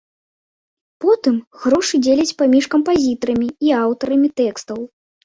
Потым грошы дзеляць паміж кампазітарамі і аўтарамі тэкстаў.